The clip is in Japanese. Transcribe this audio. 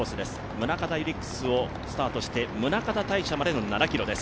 宗像ユリックスをスタートして、宗像大社までの７ｋｍです。